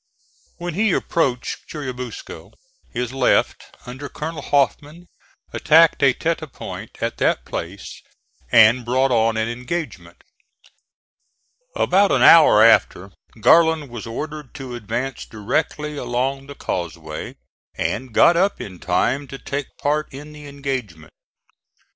When he approached Churubusco his left, under Colonel Hoffman, attacked a tete de pont at that place and brought on an engagement. About an hour after, Garland was ordered to advance directly along the causeway, and got up in time to take part in the engagement.